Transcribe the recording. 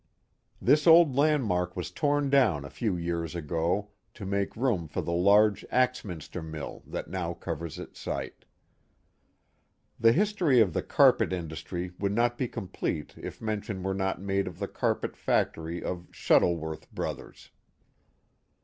This Early Industries 337 old landmark was torn down a few years ago to make room for the large Axminster mill that now covers its site. The history of the carpet industry would not be complete if mention were not made of the carpet factory of Shuttle worth Brothers.